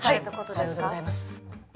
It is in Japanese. はい、さようでございます。